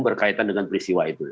berkaitan dengan peristiwa itu